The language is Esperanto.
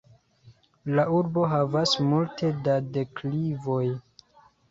La urbo havas multe da deklivoj.